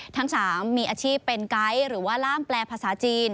ทั้ง๓มีอาชีพเป็นไกด์หรือว่าล่ามแปลภาษาจีน